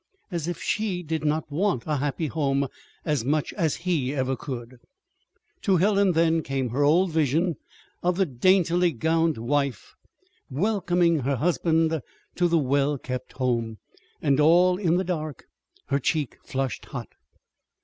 As if she did not want a happy home as much as he ever could! To Helen, then, came her old vision of the daintily gowned wife welcoming her husband to the well kept home; and all in the dark her cheek flushed hot.